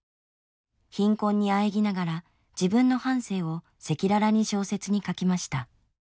貧困にあえぎながら自分の半生を赤裸々に小説に書きました。